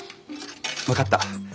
分かった。